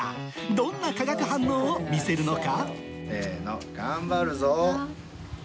どんな化学反応を見せるのか？